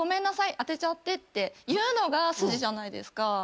当てちゃって」って言うのが筋じゃないですか。